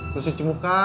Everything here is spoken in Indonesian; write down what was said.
kau cuci muka